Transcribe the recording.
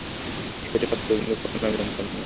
সেটা সত্য, কিন্তু তখন আমি জানতাম না।